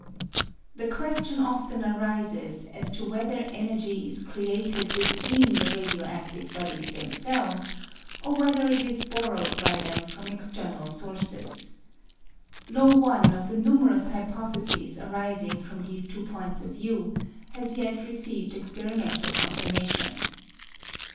The question often arises as to whether energy is created within the radio adive bodies themselves, or whether it is borrowed by them from external sources. No one of the numerous hypotheses arising from these two points of view has yet received experimental confirmation.